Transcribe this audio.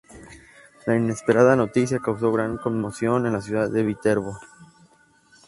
La inesperada noticia causó gran conmoción en la ciudad de Viterbo.